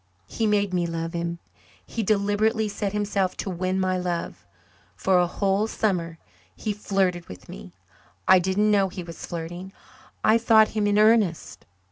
He made me love him. He deliberately set himself to win my love. For a whole summer he flirted with me. I didn't know he was flirting I thought him in earnest.